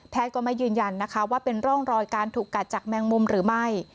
ก็ไม่ยืนยันนะคะว่าเป็นร่องรอยการถูกกัดจากแมงมุมหรือไม่